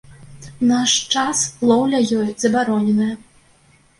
У наш час лоўля ёй забароненая.